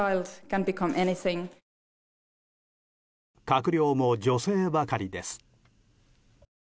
閣僚も女性ばかりです。